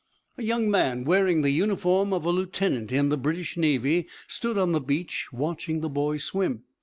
A young man, wearing the uniform of a lieutenant in the British navy, stood on the beach, watching the boy swim.